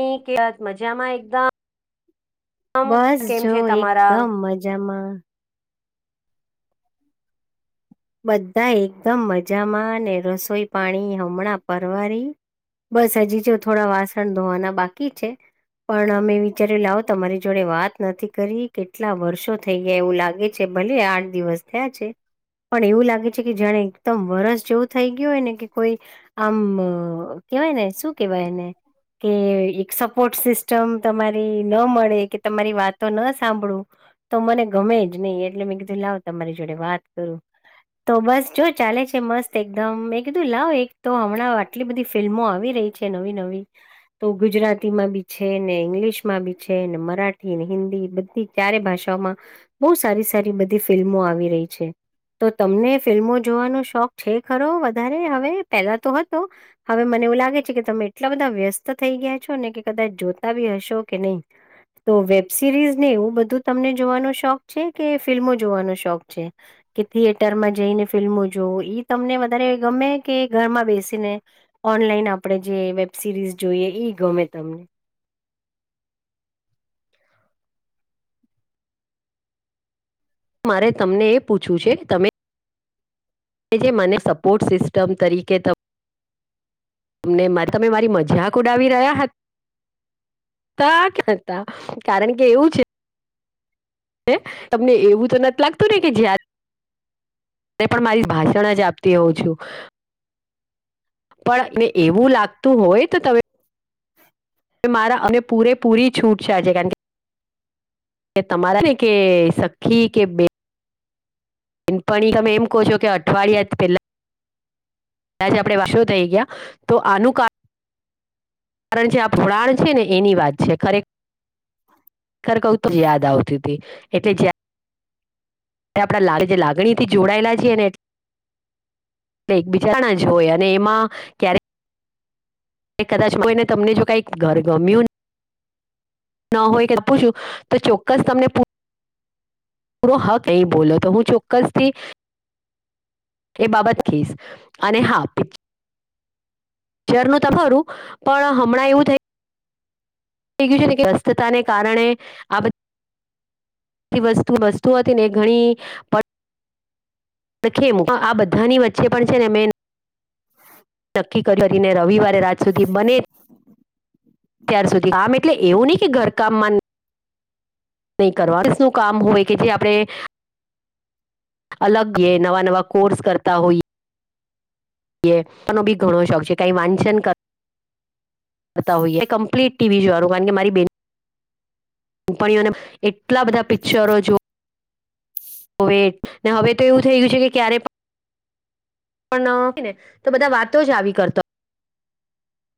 અ કે મજામાં એકદમમ કેમ છે તમારા મજમાં બધા એકદમ મજામાં અને રસોઈ પાણી હમણાં પરવારી બસ હજી જો થોડા વાસણ ધોવાના બાકી છે. પણ અમે વિચારી લાવો તમારી જોડે વાત નથી કરી કેટલા વર્ષો. થઈ જાય એવું લાગે છે ભલે આઠ દિવસ થયા છે. પણ એવું લાગે છે કે જાણે એકદમ વરસ જેવું થઈ ગયું હોય ને કે કોઈ આમ કેવાય ને શું કેવાયને કે એક સપોર્ટ સિસ્ટમ તમારી ન મળે કે તમારી વાતો ન સાંભળુ તો મને ગમે જ નહીિ એટલે મેં કીધું લાવ તમારી જોડે વાત કરું તો બસ જો ચાલે છે મસ્ત એકદમ એકીધું લાવ એક તો હમણાં આટલી બધી ફિલ્મો આવી રહી પ્છે નવી નવી તો ગુજરાતી માં બી છે ને ઈંગ્લિશમાં બી છે ને મરાઠી ને હિન્દી બધી ત્યારે ભાષાઓમાં બહુ સારી સારી બધી ફિલ્મો આવી રહી છે. તો તમને ફિલ્મો જોવાનો શોખ છે, ખરો વધારે હવે પેલા તો હતો. હવે મને એવું લાગે છે કે તમે એટલા બધા વ્યસ્ત થઈ ગયા છો ને કે કદાચ જોતા બી હશો કે નહી તો વેબ સિરીઝ ને એવું બધું તમને જોવાનો શોખ છે કે ફિલ્મો જોવાનો શોખ છે. કે થિયેટરમાં જઈને ફિલ્મો જોવ તમને વધારે ગમે કે ઘરમાં બેસીને ઓનલાઈન આપડણે જે વેબ સિરીઝ જોઈએ ઈ ગમે તમને મારે તમને એ પૂછવું છે, તમે જે મને સપોર્ટ સિસ્ટમ તરીકે તને તમે મારી મજાક ઉડાવી રહ્યા હતા. તતા કારણ કે એવું છે. તમને એવું તો નથી લાગતું ને કે જ પણ મારી ભાષણ જ આપતી હોઉં છુ. પણ એને એવું લાગતું હોય તો તમે મારા અમે પૂરે પૂરી છૂટ છે આજે ગંધી કે તમારા ને કે સખી કે બે પ તમે એમ કહો છો કે અઠવાડિયાથી પેલા આપણે વાસ થઈ ગયા તો આનું કાર કારણ કે આ ફૂળણ છે ને એની વાત છે, ખરેખ ખર કહું જ યાદ આવતી હતી એટલે જ આપડા જે લાગણી થી જોડાયેલા છીએ, ને એ એકબીજાણા જ હોય, અને એમાં ક્યારેક એ કદાચ કો એને તમને જો કઈક ઘર ગમ્યુ. ના હોય કે પૂછું તો ચોક્કસ તમને પૂરો હક ક બોલો તો હું ચોક્કસથી. એ બાબત કેસ અને હા પ જરનું તો ખરું પણ હમણાં એવું થઈ. થઈ ગયું છેને કે સ્વસ્થતા ને કારણે આ બધ ત વસ્તુ હતી ને ઘણી. ખેમ આ બધાની વચ્ચે પણ છેને, મેં નક્કી કરીને રવિવારે રાત સુધી બને ત્યાર સુધી કામ એટલે એવું નહિ કે ઘરકામમાં નહી કરવાસ નું કામ હોય કે જે આપણે અલગ એ નવા નવા કોર્સ કરતા હોઈએ. બી ઘણો શોખ છે કઈ વાંચન કરતા હોઈએ કમ્પ્લીટ ટીવી જોવાનું કારણ કે મારી બે કંપનીઓને એટલા બધા પિક્ચરો જોવા કોવેટ ને હવે તો એવું થઈ ગયુ છે, કે ક્યારે પણ કે ને તો બધા વાતો જ આવી કરતો.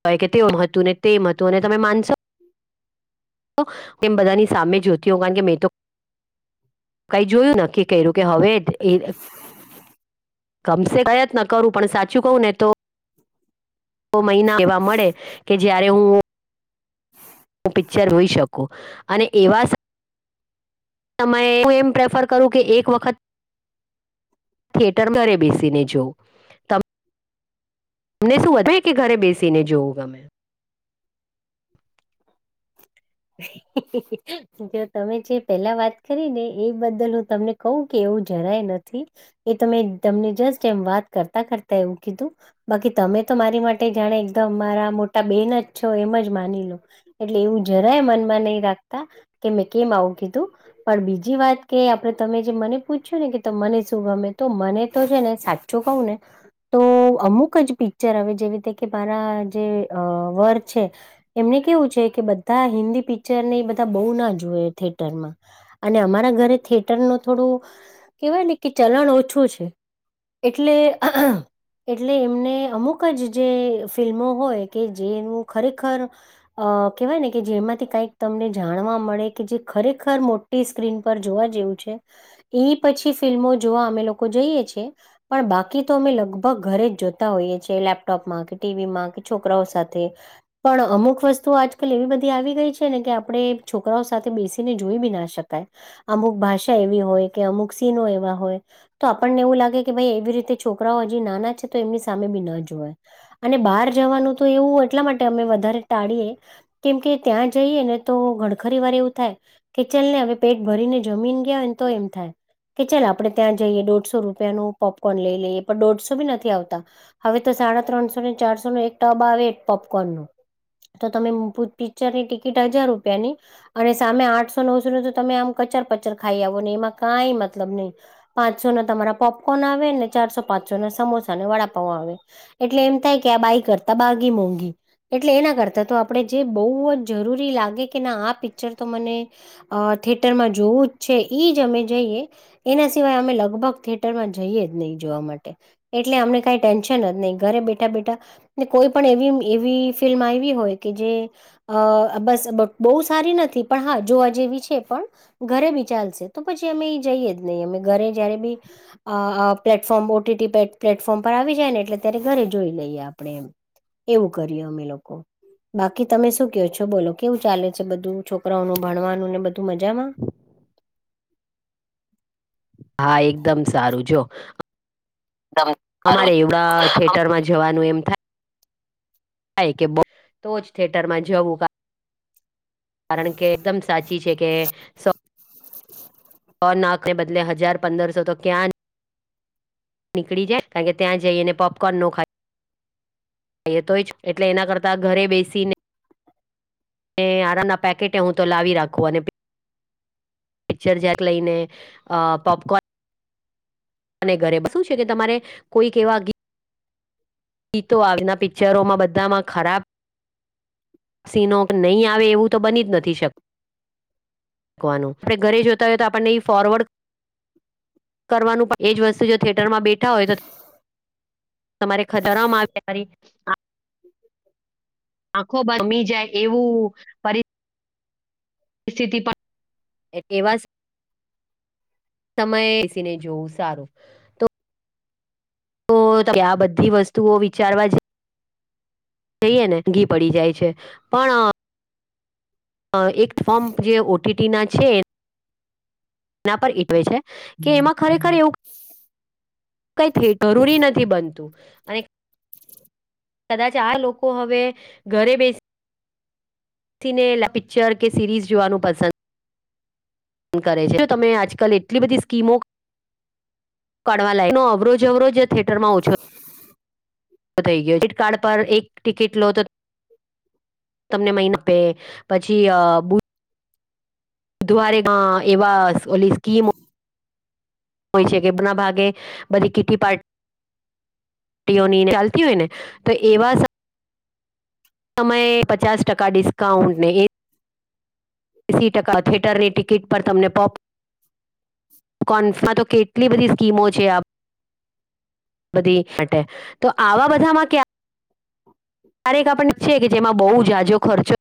હો કે તેવ મહત્નું ને તે મહત્વું અને તમે માનશો. હમ એમ બધાની સામે જોતી હો કારણ કે મેં તો કઈ જોયું કે કર્યું કે હવે એ કમસે પ્રયત્ન કરું પણ સાચું કહું ને તો મહિના એવા મળે કે જયારે હું. હું પિક્ચર રોઈ શકું અને એવા તમારે હું એમ પ્રેફર કરું કે એક વખત. થિયેટર દરે બેસીને જોવ. તમને શું વધય કે ઘરે બેસીને જોવું ગમે. હ જો તમે જે પેલા વાત કરી ને એ બદલ હું તમને કઉ. કે એવું જરાય નથી એ તમે તમને જસ્ટ એમ વાત કરતા કરતા એવું કીધું. બાકી તમે તો મારી માટે જાણે એકદમ મારા મોટા બેન જ છો એમ જ માની લો એટલે એવું જરાય મનમાં નહી રાખતા કે મેં કેમ આવું કીધું. પણ બીજી વાત કે આપડે તમે જે મને પૂછ્યું ને કે મને શું ગમે તો મને તો છે ને સાચું. જો કાઉને તો અમુક જ પિક્ચર હ જેવી રીતે કે મારા જે વર છે. એમને કેવું છે કે બધા હિન્દી પિક્ચર ને એ બધા બહુ ના જોુએ થેટર માં અને અમારા ઘરે થિયેટર ન થોડું કેહેવાય ને કે ચલણ ઓછું છે. એટલે એટલે એમને અમુક જ જે ફિલ્મો હોય કે જેનું ખરેખર અ કેહેવાય ને કે જેમાંથી કઈક તમને જાણવા મળે કે જે ખરેખર મોટી સ્ક્રીન પર જોવા જેવું છે. એ પછી ફિલ્મો જોવા અમે લોકો જઈએ છ છેીએ. પણ બાકી તો અમે લગભગ ઘરે જ જોતા હોઈએ છીએ લેપટોપમાં કે ટીવીમાં કે છોકરાઓ સાથે પણ અમુક વસ્તુ આજ. લ એવી બધી આવી ગઈ છે ને કે આપણે છોકરાઓ સાથે બેસીને જોઈ બી ના શકાય. અમુક ભાષા એવી હોય કે અમુક સીનો એવા હોય તો આપણને એવું લાગે. કે ભાઈ એવી રીતે છોકરાઓ હજી નાના છે તો એમની સામે બી ના જોય. અને બહાર જવાનું તો એવું એટલા માટે અમે વધારે ટાળીએ કેમ કે ત્યાં જઈએ ને તો ઘણખરી વાર એવું થાય. કે ચલ ને હવે પેટ ભરીને જમીને ગયા હોય ને તો એમ થાય. કે ચાલ આપડણે ત્યાં જઈએ દોઢસો રૂપિયાનું પોપકોર્ન લઈ લઈએ પણ દોઢસો બી નથી આવતા. હવે તો સાડા ત્રણસો ને ચારસો નો એક ટબ આવે પોપકોર્ન નું તો તમે પૂછ. પિક્ચર ની ટિકિટ હજાર રૂપિયા ની અને સામે આઠસો નવસોને તો તમે આમ કચાર પચર ખાઈ આવો ને એમાં કઈ મતલબ નહી. પાંચસો ન તમારા પોપકોર્ન આવે ને ચારસો પાંચસો ના સમોસા અને વડાપાઉ આવે. એટલે એમ થાય કે આ બાઈ કરતા બાગી મોંઘી એટલે એના કરતા તો આપણેે. જે બહુ જ જરૂરી લાગે કે ના આ પિક્ચર તો મને. અ થિયેટરમાં જોવું જ છે ઈ જ અમે જઈએ. એના સિવાય અમે લગભગ થયેટરમાં જઈએ જ નહી જોવા માટે. એટલે અમને કાઈ ટેન્શન જ નહી ઘરે બેઠા બેઠા. ને કોઈ પણ એવી એવી ફિલ્મ આવી હોય કે જે અ બસ બહુ સારી નથી પણ હા જોવા જેવી છે પણ ઘરે બી ચાલશે તો પછી અમે એ જઈએ જ નહીં અમે ઘરે જયારે બી અ પ્લેટફોર્મ ઓટી પ્લેટફોર્મ પર આવી જાય ને એટલે ત્યારે ઘરે જોઈ લઈએ આપડણે એમ. એવું કરીએ અમે લોકો. કે તમે શું કહો છો બોલો કેવું ચાલે છે બધું છોકરાઓનું ભણવાનું ને બધું મજામાં. હા એકદમ સારું જો. જમ. [unintelligible] અમારે એવડા થિયેટર માં જવાનું એમ થાય. થ, કે તો જ થિયેટર માં જવું. કારણ કે એકદમ સાચી છે કે. [inaudible] સ નાકને બદલે હજાર પંદરસો તો ક્યાં નીકળી જાય કારણ કે ત્યાં જઈને પોપકોર્ન નો ખાય. તો જ એટલે એના કરતા ઘરે બેસીને અને આડાના પેકેટે હું તો લાવી રાખું અને પિક્ચર જેક લઈને, પોપકોર્ન અને ઘરે શું છે કે તમારે, કોઈક એવા ગી તો આવીના પિક્ચરોમાં બધામાં ખરાબ સિનો નહીં આવે એવું તો બની જ નથી શકત. વાનું આપણે ઘરે જોતા હોય તો આપણને એ ફોરવર્ડ કરવાનું એજ વસ્તુ જો થિયેટરમાં બેઠા હોય તો તમારે ખધારવામાં આવે. આંખો બ રમી જાય એવું એવા સમય બેસીને જોવું સારું. તો તમે આ બધી વસ્તુઓ વિચારવા જ જઈએ ને ઘી પડી જાય છે, પણ એક ફોર્મપ જે ટીટી ના છે. ના પર ઈટવે છે, કે એમાં ખરેખર એવું કઈ થ જરૂરી નથી બનતું, અને કદાચ આ લોકો હવે ઘરે બેસી સિને પિક્ચર કે સિરીઝ જોવાનું પસંદ કરે છે તો તમે આજકાલ એટલી બધી સ્કીમો કડ લાગક ન અવરોજ અવરોજ થિેટર માં ઓછો થઈ ગયો ચીટ કાર્ડ પર એક ટિકિટ લો તો તમને મિન આપે, પછી બ બવારે એવા ઓલી સ્કીમ હોય છે, કે બ ના ભાગે બધી કીટી પાર્ટ ની ચાલતી હોય, ને તો એવા સમયે પચાસ ટકા ડિસ્કાઉન્ટને એ એસી ટકા થિયેટરની ટિકિટ પર તમને પોપ કોન્સમાં તો કેટલી બધી સ્કીમો છે આપ બધી માટે, તો આવા બધામાં ક્યાં ત્યારેક આપણ છે કે જેમાં બહુ જાજો ખર્ચો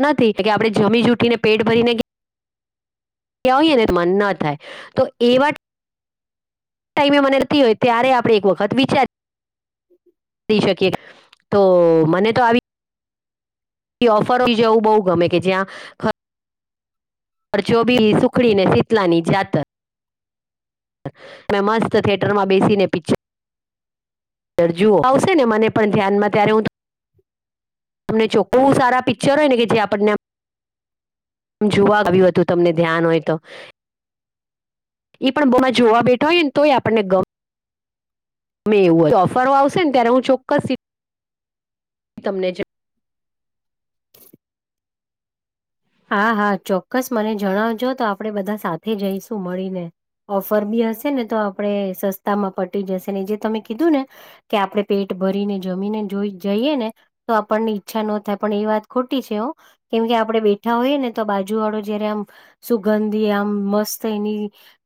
નથી કે આપણે જમી જૂઠ ને પેટ ભરીને કે ત્યાં હોય ને મન ન થાય, તો એવા ટાઈમે મનેતી હોય ત્યારે આપણે એક વખત વિચારી શકીએ. તો મને તો આવી ઓફરય જેવું બવ ગમે કે જ્યાં પર ચોબી સુખડી ને શીતલા ની જાતર. તમે મસ્ત થિયેટરમાં બેસીને પિક્ચર પિક્ચર જુઓ આવશે ને મને પણ ધ્યાનમાં ત્યારે હું ત તમને ચોખ્ખું સારા પિક્ચર હોય ને કે જે આપણને જોવા આવ્યું હતું તમને ધ્યાન હોય તો. ઈ પણ બોમાં જોવા બેઠો હોય ને તોય આપણને ગમ એવું હો તો ઓફરો આવશે ને ત્યારે હું ચોક્કસ સીટ [unintelligible] તમ હા હા ચોક્કસ મને જણાવજો તો આપણે બધા સાથે જઈશું મળીને. ઓફર બી હશે ને તો આપણે સસ્તા માં પટી જશે, ને જે તમે કીધું ને. કે આપણે પેટ ભરીને જમીને જોઈ જઈએ ને તો આપણને ઈચ્છા ન થાય પણ એ વાત ખોટી છે, હો કેમકે આપણેે બે ઠા હોય ને તો બાજુ વાળો જયારે આમ સુગંધી આમ મસ્ત એની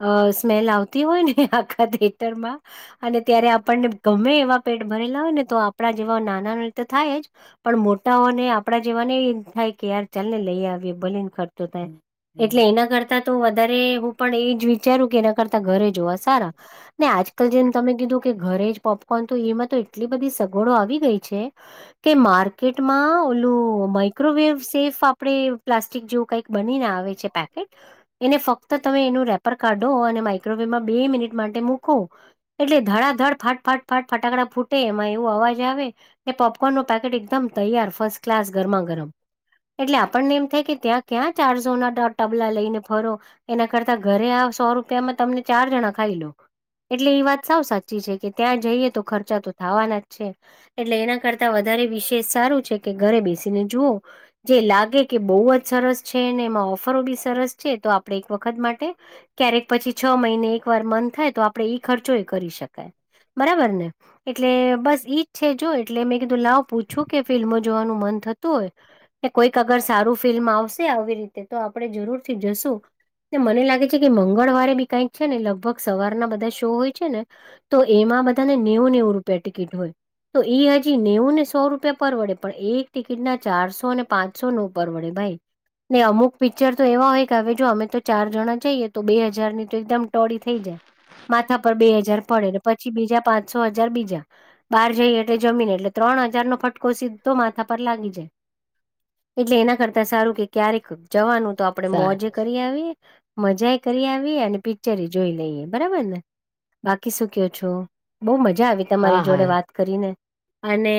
અ સ્મેલ આવતી હોય ને આખા થેટર માં. અને ત્યારે આપણને ગમે એવા પેટ ભરેલા હોય ને તો આપણા જેવા નાના ન રત થાય જ. પણ મોટા હો ને આપડા જેવાને એ થાય કે યાર ચાલ ને લઇ આવીએ ભલેને ખર્ચો થાય. એટલે એના કરતા તો વધારે હું પણ એ જ વિચારું કે કરતા ઘરે જોવા સારા. ને આજકાલ જેમ તમે કીધું કે ઘરે જ પોપકોર્ન તો એમાં તો એટલી બધી સ ગવડો આવી ગઈ છે, કે માર્કેટમાં ઓલું માઈક્રોવેવ સેફ આપ આપડે પ્લાસ્ટિક જેવું કઈક બનીને આવે છે પેકેટ. એને ફક્ત તમે એનું રેપર કાઢો અને માઈક્રોવેવમાં બે મિનિટ માટે મૂકો. એટલે ધડાધડ ફાટ ફાટ ફાટ ફટાકડા ફૂટે એમાં એવું અવાજ આવે. ને પોપકોર્ન નો પેકેટ એકદમ તૈયાર ફર્સ્ટ ક્લાસ ગરમા ગરમ. એટલે આપણને એમ થાય કે ત્યાં ક્યાં ચારસોના ટ ટબલા લઈને ફરો. એના કરતા ઘરે આ સો રૂપિયામાં તમને ચાર જણા ખાઈ લો. એટલે એ વાત સાવ સાચી છે, કે ત્યાં જઈએ તો ખર ખર્ચા તો થવાના જ છે. એટલે એના કરતા વધારે વિશેષ સારું છે. કે ઘરે બેસીને જુઓ. જે લાગે કે બહુ જ સરસ છે, અને એમાં ઓફરો બી સરસ છે. તો આપણે એક વખત માટે ક્યારેક પછી છ મહિને એક વાર મન થાય તો આપડે ઈ ખર્ચો ઈ કરી શકાય. બરાબર ને. એટલે બસ ઈજ છે જો એટલે મેં કીધું લાવ પૂછું કે ફિલ્મ જોવાનું મન થતું હોય? કોઈક અગર સારું ફિલ્મ આવશે આવી રીતે તે તો આપડે જરૂરથી જશું. મને લાગે છે કે મંગળવારે બી કઈક છે ને લગભ લગભગ સવારના બધા શો હોય છે ને તો એમાં બધાને નેવું નેવું રૂપિયા ટિકિટ હોય. તો એ હજી નેવું ને સો રૂપિયા પર વડે પણ એક ટિકિટના ચારસો ને પાંચસો નો ઉપર વડે ભાઈ. ને અમુક પિક્ચર તો એવા હોય કે હવે જો અમે તો ચાર જણા જઈએ તો બે હજારની તો એકદમ ટોળી થઈ જાય. માથા પર બે હજાર પડે ને પછી બીજા પાંચસો હજાર બીજા. બહાર જઈએ એટલે જમીન એટલે ત્રણ હજાર નો ફટકો સીધો માથા પર લાગી જાય. એટલે એના કરતા સારું કે ક્યારેક જવાનું તો આપણેે જણાવ મોજે કરી આવીએ. મજા એ કરી આવીએ અને પિક્ચર જોઈ લઈએ. બરાબર ને. બાકી શું કેવ છો. બહુ મજા આવી હા તમારી હા જોડે વાત કરીને. અને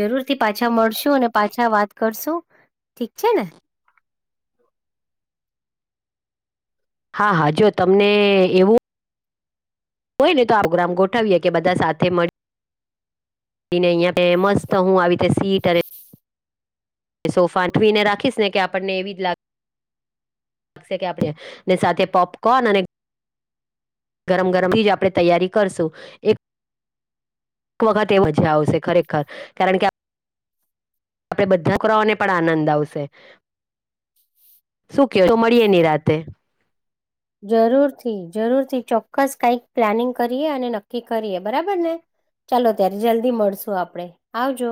જરૂર થી પાછા મળશુ, અને પાછા વાત કરશું. ઠીક છે ને. હા હા જો તમને એવું. હોય ને તો આવ ગ્રામ ગોઠવીએ કે બધા સાથે મળે. ને અહં ફેમસ તો હું આવી રીતે સીટ અને. સોફાવીને રાખીસ ને કે આપણને એવી જ લાગે. લાગશે કે આપડે સાથે પોપકોર્ન અને. ગરમ ગરમ થી જ આપણે તૈયારી કરશું એક. એક વખત એ મજા આવશે ખરેખર કારણ કે આપડે બધા [unintelligible] ઓને પણ આનંદ આવશે શું કે તો મળીએ ની રાતે જરૂર થી જરૂર થી ચોક્કસ કઈક પ્લાનિંગ કરીએ અને નક્કી કરીએ બરાબર ને. ચાલો ત્યારે જલ્દી મળશું આપડે આવજો.